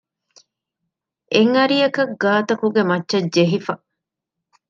އެއް އަރިއަކަށް ގާތަކުގެ މައްޗަށް ޖެހިފަ